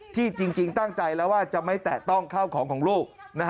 ที่จริงตั้งใจแล้วว่าจะไม่แตะต้องเข้าของของลูก